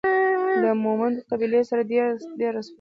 له مومندو قبیلې سره دېره سو.